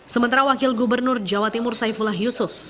sementara wakil gubernur jawa timur saifullah yusuf